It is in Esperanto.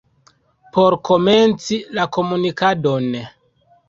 Por komenci la komunikadon.